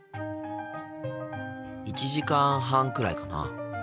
１時間半くらいかな。